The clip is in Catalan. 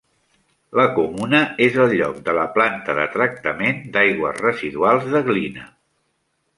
La comuna és el lloc de la planta de tractament d'aigües residuals de Glina.